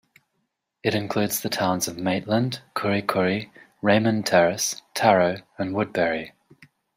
It includes the towns of Maitland, Kurri Kurri, Raymond Terrace, Tarro and Woodberry.